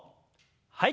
はい。